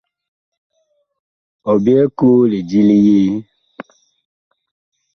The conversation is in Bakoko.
Ɔ byɛɛ koo lidi li yee ?